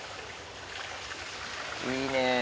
いいね。